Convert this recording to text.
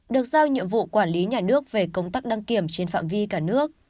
được giao nhiệm vụ quản lý nhà nước về công tác đăng kiểm trên phạm vi cả nước